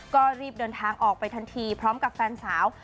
ก็รีบเดินทางออกไปทันทีพร้อมกับแฟนสาว